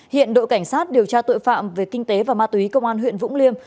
hiện đội cảnh sát điều tra tội phạm về kinh tế và ma túy công an huyện vũng liêm